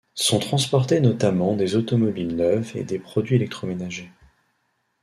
Sont transportés notamment des automobiles neuves et des produits électroménagers.